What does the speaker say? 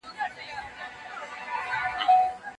هغه وویل چې په راتلونکي کې به روبوټونه ښه ښوونکي وي.